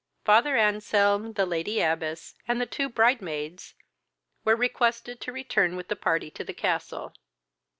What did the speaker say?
Father Anselm, the lady abbess, and two bride maids, were requested to return with the party to the castle.